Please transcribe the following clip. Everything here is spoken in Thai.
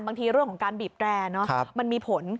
เรื่องของการบีบแรร์มันมีผล